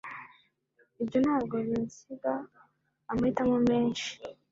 Ibyo ntabwo binsiga amahitamo menshi.